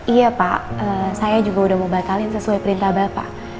iya pak saya juga udah membatalkan sesuai perintah bapak